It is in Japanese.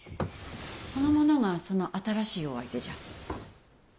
この者がその新しいお相手じゃ。